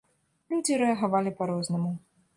Людзі рэагавалі па рознаму.